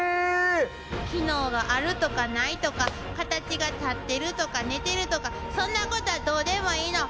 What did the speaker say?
機能があるとかないとかカタチが立ってるとか寝てるとかそんなことはどうでもいいの。